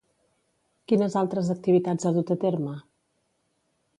Quines altres activitats ha dut a terme?